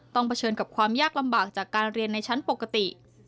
เผชิญกับความยากลำบากจากการเรียนในชั้นปกติ